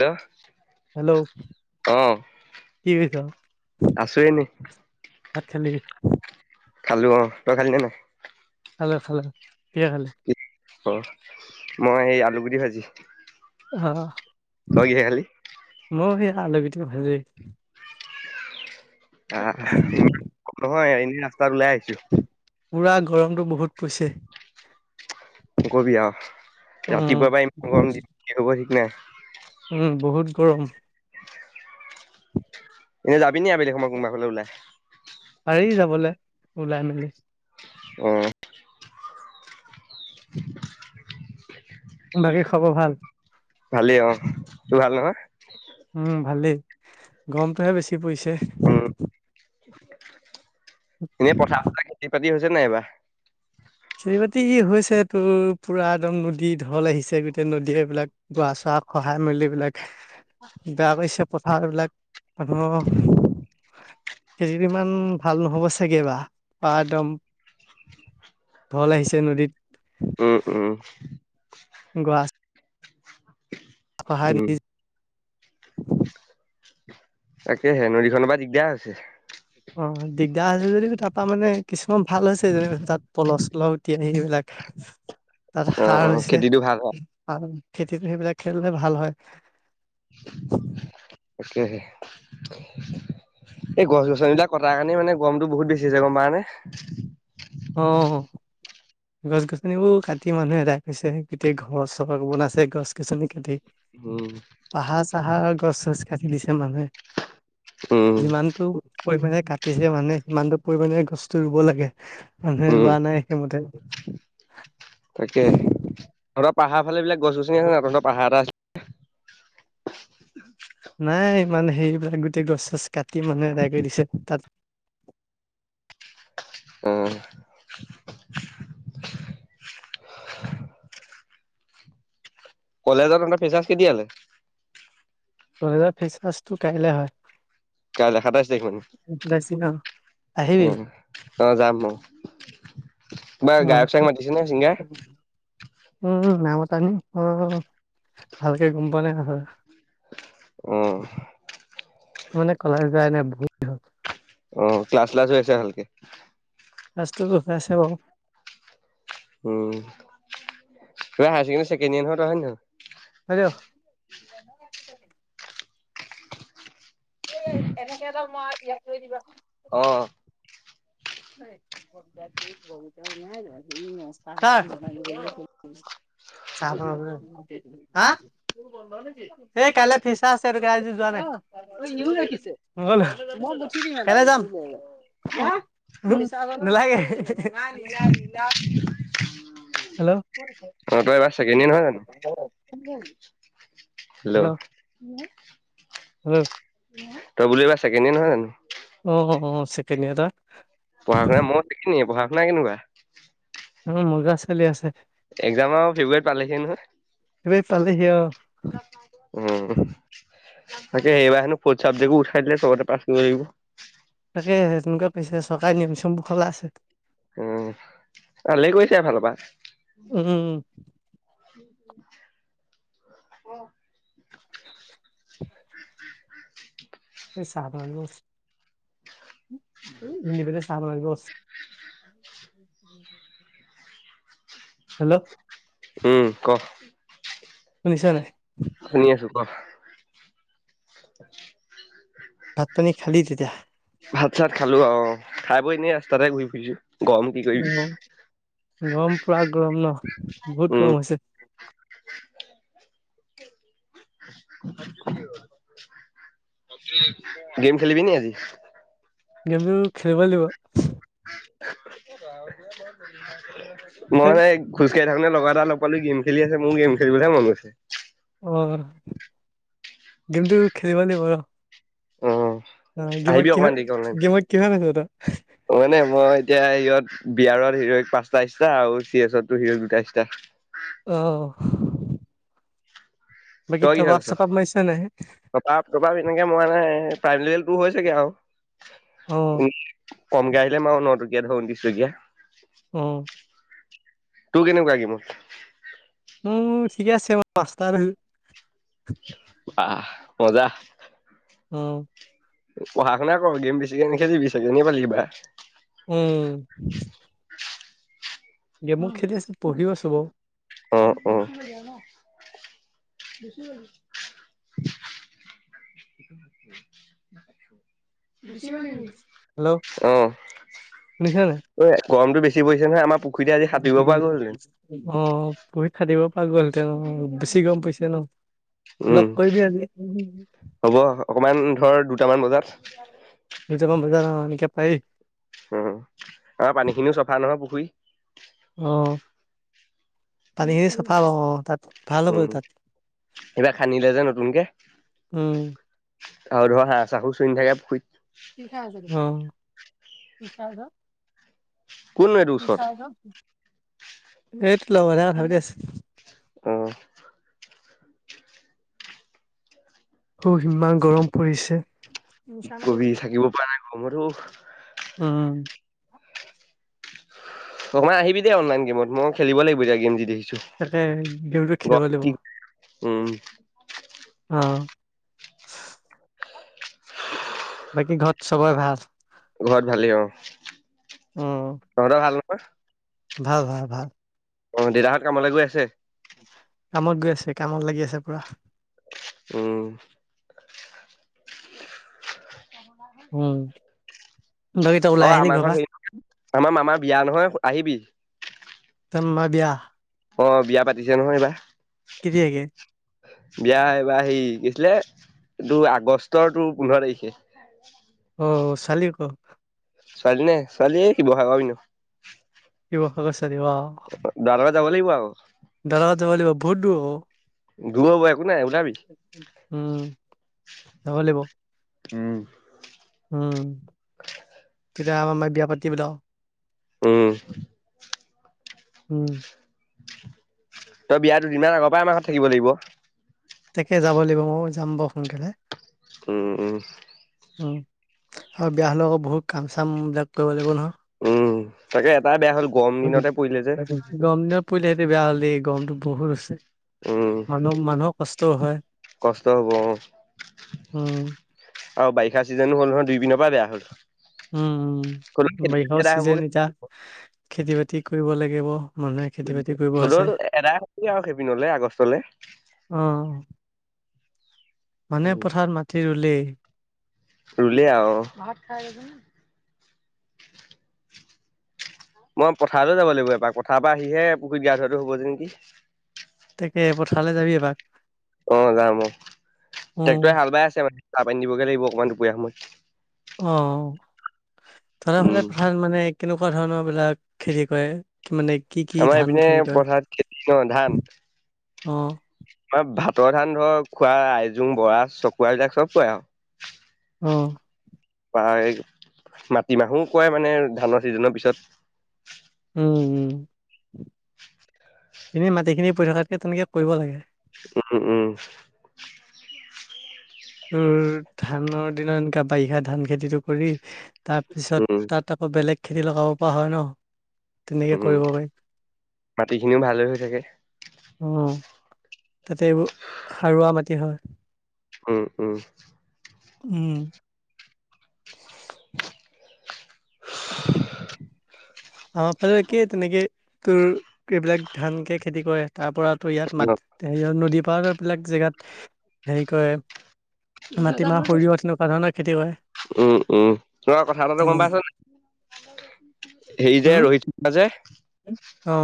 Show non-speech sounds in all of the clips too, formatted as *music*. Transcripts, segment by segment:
Hello hello অ কি কৈ ছ'? আছো এনে ভাত খালি খালো অ তই খালি নে নাই খালা খালা দিয় খালি অ মই এই আলু গুটি ভাজি অ *unintelligible* *unintelligible* ভালেই আহ এনে নহয় এনেই ৰাস্তাত ওলাই আহিছোঁ। পুৰা গৰমটো বহুত পৰিছে। কি কবি আও উম, ৰাতিপুৱাৰ পৰা ইমান গৰম দিনত কি হ'ব ঠিক নাই। উম বহুত গৰম এনেই যাবিনি আবেলি সমৰ কোনোবা ফালে ওলাই পাৰি যাবলৈ ওলাই মেলি উম *unintelligible* বাকী খবৰ ভাল ভালেই অ তোৰ ভাল নহয় উম ভালেই গমটোহে বেছি পৰিছে উম এনে পথাৰ খেতি হৈছে নাইবা খেতি বাতি হৈছে তো পুৰা একদম নদী ঢল আহিছে গোটেই নদীয়ে এইবিলাক গোৱা চোৱা সহায় মিলিবিলাক বেয়া কৰিছে পথাৰবিলাক মানুহৰ খেতি ইমান ভাল নহব চাগে বা বা একদম ঢল আহিছে নদীত উম উম গোৱা সহায় উম নিজ তাকেহে নদীখনৰ পৰা দিগদাৰ হৈছে অ দিগদাৰ আছে যদি তাৰাপা মানে কিছুমান ভাল হৈছে যে তাত পলচ তিয়ি সেইবিলাক তাত অ সাৰ অ হৈছে খেতিটো ভাল হয়। সাৰ খেতিত সেইবিলাক খেলে ভাল হয় তাকে এই গছ গছনিবিলাক কটাৰ কাৰণে মানে গৰমতটো বহুত বেছি হৈছে গম পাানে অ গছ গছনিবোৰ কাটি মানুহ এটাই কৈছে গোটেই ঘৰ চহক বনাইছে গছ গছনি কাটি উম পাহা চাহা গছ চছ কাটি দিছ মানুহে উম যিমানটো পৰিমাণে কাটিছে মানে সিমানটো পৰিমাণে গছতটো ৰুব লাগে মানে উম ৰোৱা নাই সেইমতে তাকে তহঁতৰ পাহাৰ ফালে এই বিলাক গছ গছনি আছে না তহঁতৰ পাহাৰ এটা আছিল *unintelligible* নাই ইমানে হেবিলাক গোটেই গছ গছ কাটি মানুহে এদায় কৰি দিছে তাত অ কলেজত এে ফিচা কে দিয়ালে কলেজত ফেচ ৱাছটো কাইলে হয় কাই দেখাত আছে দে মান আহিবি উম অ যাম মই বাৰ অ গায়ক চায়গ মাটিছে নে চিংগাৰ উম নামত আ নি অ ভালকে গম প নাই আৰু আহ মানে কলা যায় নাই বহৰি হল অ' ক্লাছ ল্লাছ হৈ আছে ভালকে? সছষ আছে বাৰু। উম, কিবা হায়াৰ ছেকেডী ছেকেণ্ড ইয়াৰ নত হয় নে নয়? হল' এনেকে এডাল মই ইয়াত লৈ দিবা। অ', *unintelligible* চ হা সেই কাইলৈ ফিচা আছে এই আজি যোৱা নাই কাইলৈ যাম নালাগে *unintelligible* তহঁতৰ হেল্ল', এবাৰ চেকেণ্ড ইয়াৰ নহয় জানো? হেল্ল' হম। তই বুলি এইিবা চছেকেডে নহয় জানো? অ' অ' উ চেকেণ্ড ইয়াৰ, তই? পঢ়া শুননা মন দেখ নিয়ে পঢ়া শুনা কেনিবা? উম মুোৰগা চলি আছে। এক্জামৰ ফেভট পালেহে নহয়। এইবেলি পালেহি আৰু উম। তাকে এইবাৰ হেনো প চাব্জ উঠাই দে চতে পছ লাগিব। তাকে তেনেকুৱে কৈছে চৰকাৰী নিয়ম চবোৰ খলা আছে। উম, ভালে কৰিছে এফালৰ উম, পৰা। উম উ আহ *inaudible* চ ব নিবেল *unintelligible* হেল্ল' উম ক। শুনিছ নাই? শুনি আছো ক। *inaudible* ভাত পানী খালি তেতিয়া? ভাত চাত খালো আৰে খাই বই এনেই ৰাস্তাতে ঘুৰি ফুৰিছো। গৰম কি কৰিবি অ' গৰম পুৰা গৰম ন বহুত উম গৰম হৈছে। *inaudible* *unintelligible* গেম খেলেলিব নি আজি? গেম খেলিব লাগিব। মই নাই কেই ধৰণে লগ এটা লগ পালো গেম খেলি আছে মোৰ গেম খেলিবলৈহে মন গৈছে। অ' গেমটো খেলিব লাগিব ৰ। অ *inaudible* গেমত আহিবি কিহ অকমান গেমত দেৰিক, কিহত আছ তই মানে মই এতিয়া সিহঁত বিয়াৰত হিৰই পাঁচটা ষ্টটা আৰু চি এছো হিৰই দুটা ষ্টা। আহ। তই কি খছ মাৰিছ নাই পাপ পাপাব এনেকে মই নাই প্ৰাইম লেভেল টো হৈ চাগে আৰু। অ কমকৈ আহিলে ম আৰু ন টকীয়া ধৰ ন্ৰি টকীয়া। উম। টু কেনোগি ম এই থিকে আছে মই পাষ্ঠা ধৰি অ মজা। হ উ পঢ়া শুনা কৰ গেম বেছিকে নেখেলিবি চাগে, নেখেলিবা। উম। গে মু খেলি আছো পঢ়িও আছো। অ' অ'। হেল্ল' *unintelligible* অ'। শুনিছা গৰমটো বেছি পৰিছে নহয় আমাৰ পুখুৰীতে আজি সাঁতুৰিব পৰা গ'লহেতেন অ'পৰিক্ষা দিব‌ পৰা গলহেতেন বেছি গম পৰিছে। উম। লগ কৰিবি আজি। হ'ব অকমান ধৰ দুটামান বজাত দুটা মান বজাত অ এনেকে পাৰি। উ আমাৰ পানী খিনিও চফা নহয় পুখুৰী। অ পানীখিনি চাফা অ তাত। ভাল হ'ব উম তাত কিবা খান্দিলে যে নতুনকে। উম, আৰু ধৰ হাঁহ চাহু চুি থাকে পুখুৰীত। কি খাই আছিল, কি খাই কোননো এইটো ওচৰত আছ। সেইটো লগ লোৱা কথা পাতি আছে। অ অ সিমান গৰম পৰিছে। কি কবি থাকিব পৰা নাইক গৰমত উ উম অ মই আহিবি দে অনলাইন গেমত মই খেলিব লাগিব এতিয়া গেম যি দেখিছো। তাকে গেমটো খেলিব গৰম লাগিব। কি উম আহ, বাকী ঘৰত চবেই ভাল। ঘৰত ভালেই অ উম, তহঁত ভাল নহয়। ভাল ভাল ভাল অ দেউতাহঁত কামলৈ গৈ আছে। কামত গৈ আছে কামত লাগি আছে পুৰা। আহ উম বাকী তই অ ওলাই আহিলি আমাৰ ঘৰৰ ঘৰত পৰা হেৰি আমাৰ মামাৰ বিয়া নহয় আহিবি। ত মামা বিয়া। অ বিয়া পাতিছে নহয় এইবাৰ। কেতিয়াাকে? বিয়া এইবাৰ সে কৈছিলে এই তোৰ আগষ্টৰ তোৰ পোন্ধৰ তাৰিখে। অ চালী ক। ছোৱালী নে ছোৱালী কি বহা পাবিনো শীবসাগৰ ছোৱালী লাউ। যাব লাগিব আৰু। দাৰা লগত যাব‌ লাগিব বহুত দূৰ। ধুম ব একো নাই উলাবি। উম যাব লাগিব। উম উম তেতিয়া আমাৰ ম বিয়া পাতি বলও। উম উম, তই বিয়া দুদিনমান আগৰ পৰাই আমাৰ ঘৰত থাকিব লাগিব। তাকে যাব লাগিব ময়ো যাম বাৰু সোনকালে। উম, উম, উম, আৰু বিয়া হলেও আকৌ বহুত কাম চাম বিলাক কৰিব লাগিব নহয়। উম তাকে এটাই বেয়া হ'ল, গৰম দিনতে পৰিলে যে দিনত পৰিলে সেইটো বেয়া হ'ল দেই গৰমতটো বহুত আছে। উম কষ্ট হব অ। উম, আৰু বাৰিষা চিজনো হ'ল নহয় দুই পনৰ পৰা বেয়া হ'ল। উম হ'লেও উম খেতি বৰিষাও এদাই হ'বগে চিজেন এতিয়া খেতি বাতি কৰিব লাগিব। মানুহে খেতি বাতি কৰিব হ'লেও আছে এদাই হ'বগে আৰু সেইপিনলে আগষ্টলে। অ', মানে পথাৰত মাটি ৰুলেই। ৰুলে আৰু ভাত খাই লচোন। মই পথাৰলৈ যাব লাগিব এবাৰ পথাৰ পৰা আহিহে পুখুৰীত গা ধোৱাটো হ'ব গে নেকি। তাকে পথাৰলৈ যাবি এপাক। অ', যাম অ, উম, ট্ৰেক্টৰে হাল বাই আছে মানে চাহ পানী দিবগে লাগিব অকণমান দুপৰীয়া সময়ত। অ', ধৰা উম হলে ভাল মানে কেনেকুৱা ধৰণৰ বিলাক খেতি কৰে? মানে কি কি আমাৰ ধান এইপিনে খেতি কৰে পথাৰত খেতি ন ধান অ', আমাৰ ভাতৰ ধান ধৰ খোৱা, আইজোং, বৰা, চকুৱা, এইবিলাক চব কৰে আৰু। অ', বা মাটিমাহো কয়ে মানে ধানৰ ছিজনৰ পিছত। উম, উম, এনেই মাটিখিনি পৰি থকাতকে তুমি কিবা কৰিব লাগে। উম, উম, উম, ধানৰ দিনত এনেকা বাৰিষা ধান খেতিটো কৰি তাৰপিছত উম তাত আকৌ বেলেগ খেতি লগাব পৰা হয় ন? তেনেকে উম কৰিব পাৰিম মাটি খিনিও ভালে হৈ থাকে উম, তাতে এইবোৰ সাৰুৱা মাটি হয়। উম, উম, উম, *inaudible* *inaudible* আমাৰ ফালে একেই তেনেকে তোৰ এইবিলাক ধান কে খেতি কৰে তাৰ পৰা টো ইয়াত মে সেৰিয়ত নদী পাৰৰ বিলাক জেগাত হেৰি কৰে মাটিমাহ সৰিয়হ তেনেকুৱা ধৰণৰ খেতি কৰে। উম, উম, খুৰা কথা এটাটো গম উম পাইছ নাই? হেৰি যে উম *unintelligible* যে। ৰোহিত অ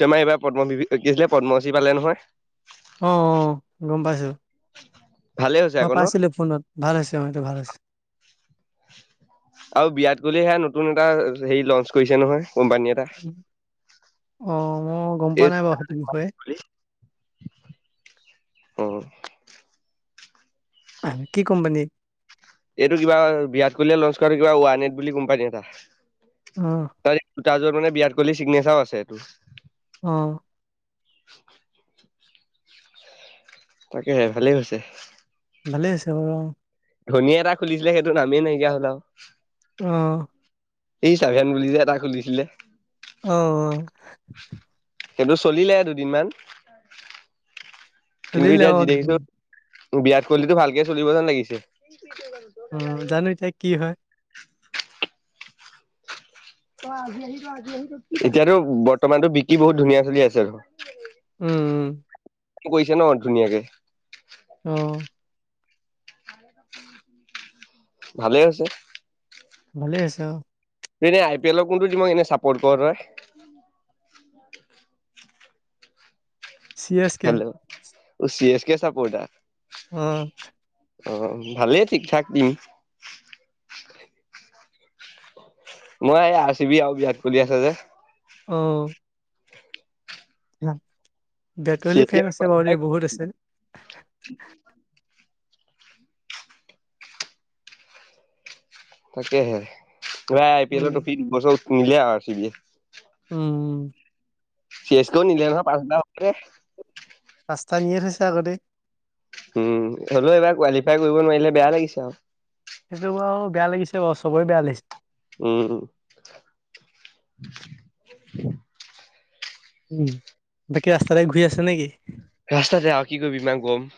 শৰ্মা এইবাৰ পদ্ম *unintelligible* কি আছিলে পদ্ম শ্ৰী পালে নহয়। অ', গম পাইছোঁ। ভালে হৈছে মই আকৌ ন পাইছিলোঁ ফোনত ভাল হৈছে অ', সেইটো ভাল হৈছে। আৰু বিৰাট কোহলি হে নতুন এটা হেৰি লঞ্চ কৰিছে নহয়। কম্পানী এটা অ মই গম পোৱা নাই বাৰু সেইটো বিষয়ে এই অ', আহ কি কোম্পানী? এইটো কিবা বিৰাট কোহলিয়ে লঞ্চ কৰে কিবা ৱানেট বুলি কোম্পানী এটা। অ', তাৰ এই জোতা যোৰত মানে বিৰাট কোহলি চিগনেচাৰো আছে এইটো। অ', *inaudible* তাকে হে ভালেই হৈছে। ভালে আছে বাৰু অ', ধনীয়ে এটা খুলিছিলে সেইটো নামেই নাইকিয়া হ'ল আৰু। অ', এই চাভোন বুলি যে এটা খুলিছিলে। অ', সেইটো চলিলে দুদিনমান কিন্তু চলিলে এতিয়া যি অ', দেখিছো বিৰাট কোহলিটো ভালকে চলিব যেন লাগিছে। অ', জানো এতিয়া কি হয়। এতিয়াতো বৰ্তমানটো বিকি বহুত ধুনীয়া চলি আছে আৰু উম, কৰিচে ন' ধুনীয়াকে। অ', ভালে হৈছে। ভালে আছে অ', এনে আই পি এলৰ কোনটো টীমক এনে চাপৰ্ট ক'ৰ' তই? C S K. Hello C S K supporter. উম, অ' ভালে ঠিক ঠাক উম, মই, আৰ চিবি আৰু বিৰাট কোহলি আছে যে। অ', চি বেটলী এছ ফেন আছে বাৰু কে দেই বহুত আছে। তাকেহে *unintelligible* আই পি উম, এলৰ ট্ৰফী দু বছৰ নিলে আৰু আৰ চি বিয়ে। উম, উম, চি এছ কেও নিলে নহয়, পাঁচ বাৰতকে। ৰাস্তা নিয়ে থৈছে আগতে। উম, হ'লেও এইবাৰ কোৱালিফাই কৰিব নোৱাৰিলে বেয়া লাগিছে আৰু। সেইটো বাৰু বেয়া লাগিছে বাৰু চবৰে বেয়া লাগিছে। উম, উম, বাকী ৰাস্তা তে ঘূৰি আছ নেকি? ৰাস্তাতে আও কি কৰিবি ইমান গৰম।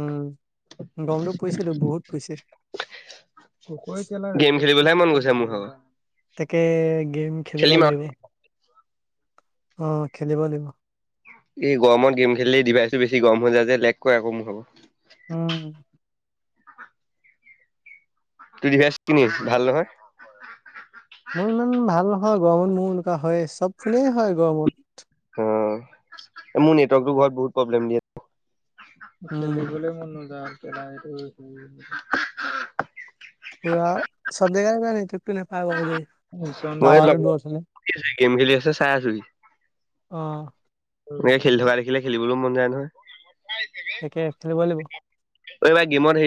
উম, গৰমটো পৰিছেতো বহুত পৰিছে। গেম খেলিবলৈহে মন গৈছে মোৰ ভাগৰ। তাকে গেম খেলিব খেলিম আৰু লাগিব। অ', খেলিব লাগিব। এই গৰমত গেম খেলিলে দভাইছটো বেছি গৰম হৈ যায় যে, লেগ কৰে আকৌ মোৰ ভাগৰ। উম, তোৰ ডিভাইচ কিনি ভাল নহয়। মোৰ ইমান ভাল নহয় গৰমত মোৰ এনেকুৱা হয় চব ফোনে হয় গৰমত। অ মোৰ নেটৱৰ্কটো ঘৰত বহুত প্ৰব্লেম দিয়ে। উম খেলিবলে মন নুযোৱা হ'ল! ! ! ! ! ! ! ! ! ! এইটো পুৰা চব জেগাত এনেকুৱা নেটৱৰ্কটো নাপায় বাৰু, দেই মই টাৱাৰটো লগৰ দূৰত আছে যে। গেম খেলি আছে চাই আছোঁ হি। অ', এনেকে খেলি থকা দেখিলে খেলিবলৈ মন যায় নহয়। একে খেলিব লাগিব। অ', এইবাৰ গেমত হেৰি